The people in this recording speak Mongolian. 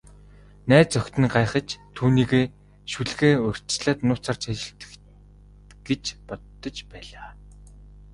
Найз охид нь гайхаж, түүнийг шүлгээ урьдчилаад нууцаар цээжилчихдэг гэж бодож байлаа.